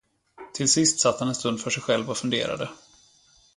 Till sist satt han en stund för sig själv och funderade.